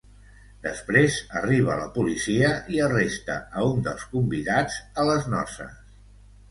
Després arriba la policia i arresta a un dels convidats a les noces.